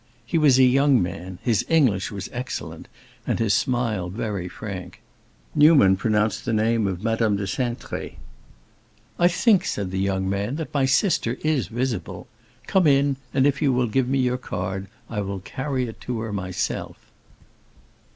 He was a young man, his English was excellent, and his smile very frank. Newman pronounced the name of Madame de Cintré. "I think," said the young man, "that my sister is visible. Come in, and if you will give me your card I will carry it to her myself."